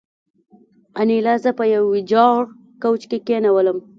انیلا زه په یوه ویجاړ کوچ کې کېنولم